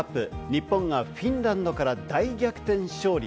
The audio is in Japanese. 日本がフィンランドから大逆転勝利。